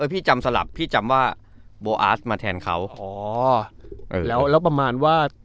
พี่จำสลับพี่จำว่าโบอาร์สมาแทนเขาอ๋อแล้วแล้วประมาณว่า